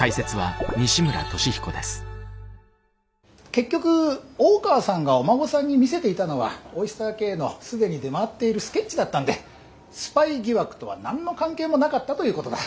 結局大川さんがお孫さんに見せていたのはオイスターＫの既に出回っているスケッチだったんでスパイ疑惑とは何の関係もなかったということだ。